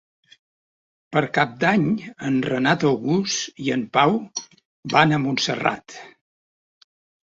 Per Cap d'Any en Renat August i en Pau van a Montserrat.